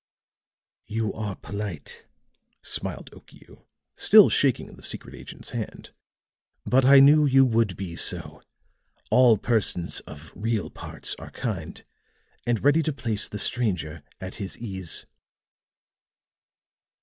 "You are polite," smiled Okiu, still shaking the secret agent's hand. "But I knew you would be so. All persons of real parts are kind and ready to place the stranger at his ease."